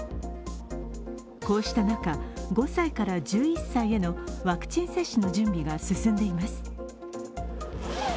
こうした中、５歳から１１歳へのワクチン接種の準備が進んでいます。